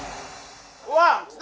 うわ！来た！